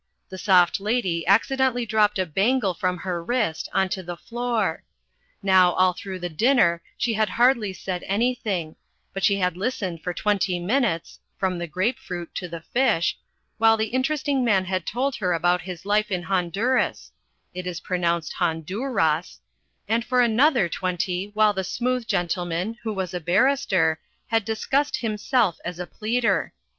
The Soft Lady accidentally dropped a bangle from her wrist on to the floor. Now all through the dinner she had hardly said anything, but she had listened for twenty minutes (from the grapefruit to the fish) while the Interesting Man had told her about his life in Honduras (it is pronounced Hondooras), and for another twenty while the Smooth Gentleman, who was a barrister, had discussed himself as a pleader.